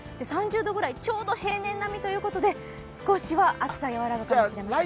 ３０度ぐらい、ちょうど平年並みということで少しは暑さ和らぐかもしれません。